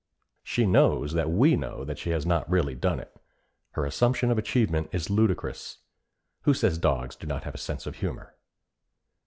She knows that we know that she has not really done it. Her assumption of achievement is ludicrous. Who says dogs have not a sense of humor?